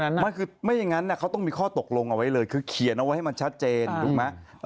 ไม่คือไม่อย่างนั้นเขาต้องมีข้อตกลงเอาไว้เลยคือเขียนเอาไว้ให้มันชัดเจนถูกไหม